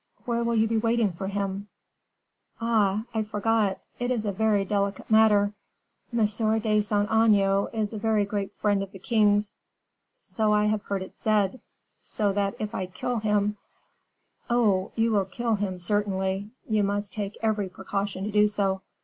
Where will you be waiting for him?" "Ah! I forgot; it is a very delicate matter. M. de Saint Aignan is a very great friend of the king's." "So I have heard it said." "So that if I kill him " "Oh! you will kill him, certainly; you must take every precaution to do so.